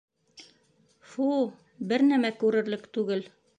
Фу... бер нәмә күрерлек түгел.